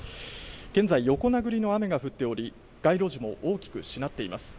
現在、横殴りの雨が降っており、街路樹も大きくしなっています。